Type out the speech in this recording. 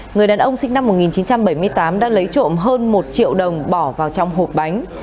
người đàn ông sinh năm một nghìn chín trăm bảy mươi tám đã lấy trộm hơn một triệu đồng bỏ vào trong hộp bánh